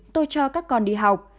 tôi cho các con đi học